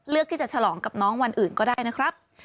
ที่จะฉลองกับน้องวันอื่นก็ได้นะครับ